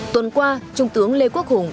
tuần qua trung tướng lê quốc hùng